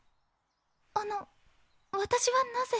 あの私はなぜ？